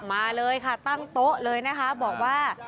มาเลยค่ะตั้งโต๊ะเลยนะคะบอกว่า